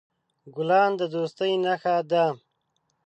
ګلان د دوستۍ نښه ده.